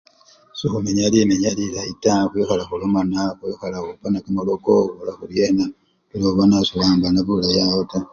Sekhumenya limenya lilayi taa khwikhala khulomana khwekhala khupana kamaloko, khukhola khuryena kila obona sekhuwambana bulayi awo taa.